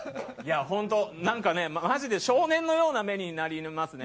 マジで少年のような目になりますね。